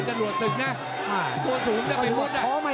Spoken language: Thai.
อ้าวว่ายังไง